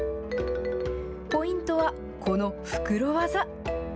ポイントはこの袋ワザ。